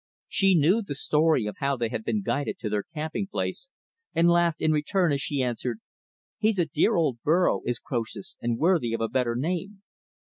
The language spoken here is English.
She knew the story of how they had been guided to their camping place, and laughed in return, as she answered, "He's a dear old burro, is Croesus, and worthy of a better name."